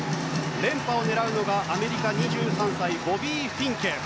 連覇を狙うのがアメリカ、２３歳ボビー・フィンケ。